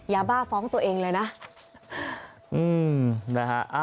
ยาบ้าฟ้องตัวเองเลยนะอืมได้ฮะ